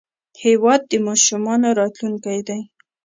هېواد د ماشومانو راتلونکی دی.